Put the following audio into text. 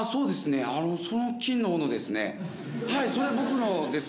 それ僕のです。